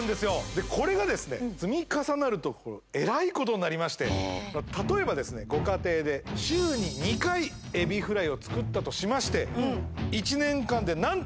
でこれがですね積み重なるとえらいことになりまして例えばですねご家庭で週に２回エビフライを作ったとしまして１年間で何と！